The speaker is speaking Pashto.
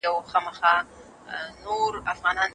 که اقتصادي قوانين ډير سخت سي، بهرني پانګوال به وتښتي.